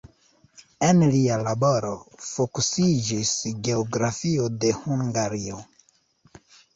En lia laboro fokusiĝis geografio de Hungario.